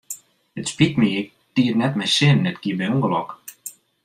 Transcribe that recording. It spyt my, ik die it net mei sin, it gie by ûngelok.